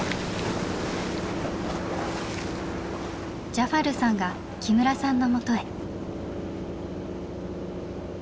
ジャファルさんが木村さんのもとへ。